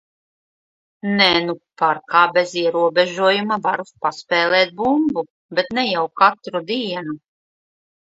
Nē, nu parkā bez ierobežojuma varu paspēlēt bumbu, bet ne jau katru dienu.